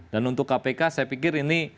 dan untuk kpk saya pikir ini